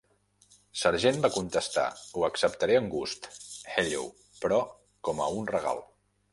Sargent va contestar "Ho acceptaré amb gust, Helleu, però com a un regal".